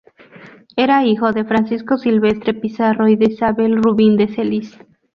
Era hijo de Francisco Silvestre Pizarro y de Isabel Rubín de Celis.